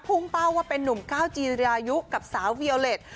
พุ่งเป้าว่าเป็นหนุ่มก้าวจีรายุกับสาววิอเลต